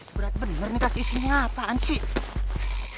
berat bener nih pas isinya apaan sih